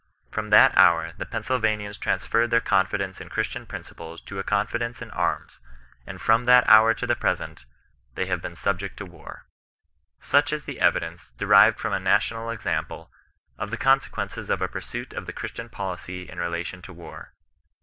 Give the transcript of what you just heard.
From that hour the Pennsylvanians transferred their confidence in Chris tian principles to a confidence in arms ; and from that hour to the present, they have been svhject to war, ^^ Such is the evidence, derived from a national exam ple, of the consequences of a pursuit of the Christian policy in relation to war.